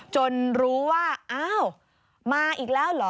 รู้ว่าอ้าวมาอีกแล้วเหรอ